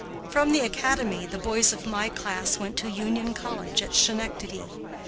From the academy the boys of my class went to Union College at Schenectady.